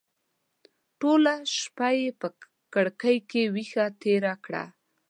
ټوله شپه یې په کړکۍ کې ویښه تېره کړه.